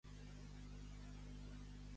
Veure-li el cul a la taleca.